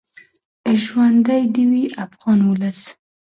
ژوندی دې وي افغان ولس.